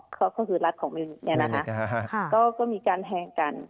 ก็คือรัฐของมิวเนี่ยนะคะก็มีการแทงกัน